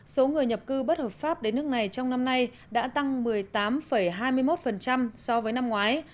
số người nhập cư bất hợp pháp đến nước này trong năm nay đã tăng một mươi tám hai mươi một so với năm ngoái